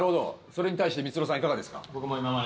それに対してミツロさんいかがですか？